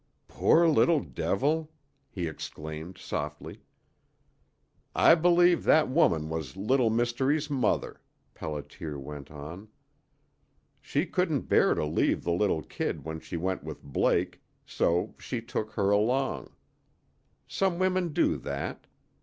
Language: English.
"Poor little devil!" he exclaimed, softly. "I believe that woman was Little Mystery's mother," Pelliter went on. "She couldn't bear to leave the little kid when she went with Blake, so she took her along. Some women do that.